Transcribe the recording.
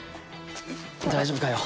大丈夫かよ。